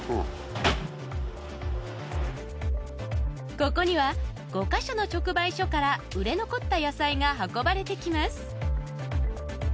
ここには５ヵ所の直売所から売れ残った野菜が運ばれてきます